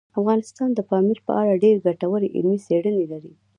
افغانستان د پامیر په اړه ډېرې ګټورې علمي څېړنې لري.